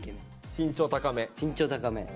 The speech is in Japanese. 身長高め。